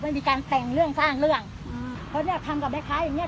มีการแต่งเรื่องสร้างเรื่องอืมเพราะเนี้ยทำกับแม่ค้าอย่างเงี้